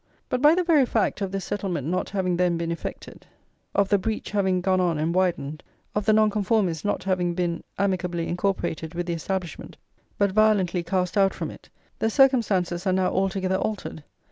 But by the very fact of the settlement not having then been effected, of the [xlii] breach having gone on and widened, of the Nonconformists not having been amicably incorporated with the Establishment but violently cast out from it, the circumstances are now altogether altered.